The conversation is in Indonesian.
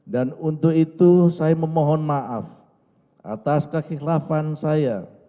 dan untuk itu saya memohon maaf atas kekhilafan saya